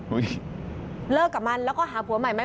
เลิกกับมันแล้วก็หาผัวใหม่ไหม